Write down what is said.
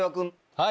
はい。